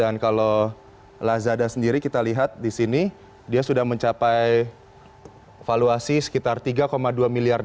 dan kalau lazada sendiri kita lihat di sini dia sudah mencapai valuasi sekitar tiga dua miliar usd